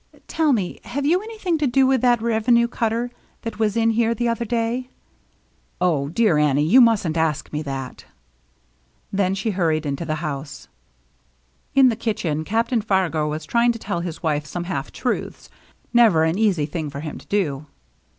" Tell me — have you anything to do with DRAWING TOGETHER 187 that revenue cutter that was in here the other day?" " Oh, dear Annie, you mustn't ask me that." Then she hurried into the house. In the kitchen Captain Fargo was trying to tell his wife some half truths, never an easy thing for him to do.